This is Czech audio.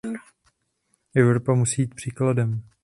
Evropa musí jít příkladem.